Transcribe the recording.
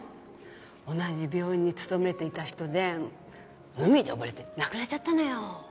同じ病院に勤めていた人で海で溺れて亡くなっちゃったのよ。